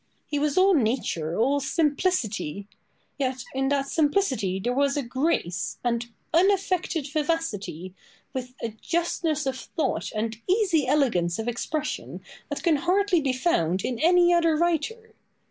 He was all nature, all simplicity! yet in that simplicity there was a grace, and unaffected vivacity, with a justness of thought and easy elegance of expression that can hardly be found in any other writer.